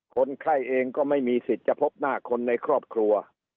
คนไข้เองก็ไม่มีสิทธิ์จะพบหน้าคนในครอบครัว